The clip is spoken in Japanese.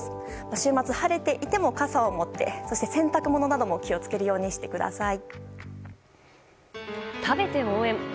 週末は晴れていても傘を持って洗濯物なども気を付けてください。